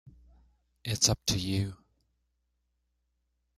It's up to you.